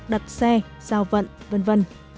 đặt xe giao vận v v